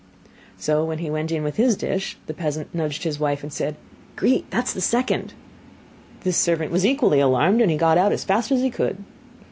So when he went in with his dish, the peasant nudged his wife, and said: 'Grete, that is the second.' This servant was equally alarmed, and he got out as fast as he could.